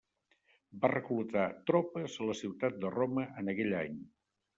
Va reclutar tropes a la ciutat de Roma en aquell any.